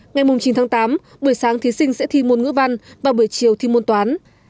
ngày chín tháng tám buổi sáng thí sinh sẽ thi môn ngữ văn và buổi chiều thi môn toán